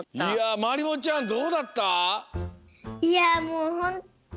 まりもちゃんどうだった？